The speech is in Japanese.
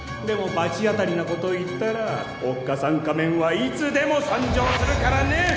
でもばち当たりなこと言ったらおっかさん仮面はいつでも参上するからね！